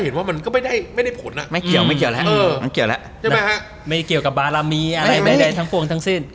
เห็นว่ามันไม่ได้ผลนะไม่เกี่ยวกับบารามีตรงกลางทั้งสั้น